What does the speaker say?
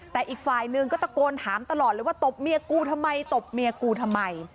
แต่อีกฝ่ายหนึ่งก็ตะโกนถามตลอดเลยว่าตบเมียกูทำไมตบเมียกูทำไม